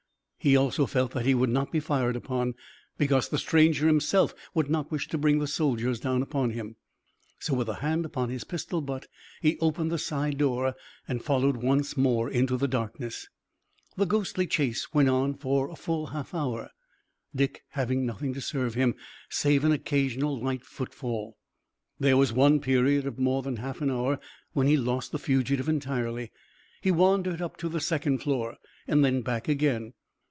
He also felt that he would not be fired upon, because the stranger himself would not wish to bring the soldiers down upon him. So, with a hand upon his pistol butt, he opened the side door and followed once more into the darkness. The ghostly chase went on for a full half hour, Dick having nothing to serve him save an occasional light footfall. There was one period of more than half an hour when he lost the fugitive entirely. He wandered up to the second floor and then back again.